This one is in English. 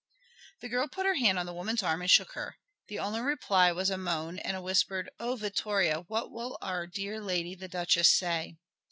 The girl put her hand on the woman's arm and shook her. The only reply was a moan and a whispered, "Oh, Vittoria, what will our dear lady the Duchess say?"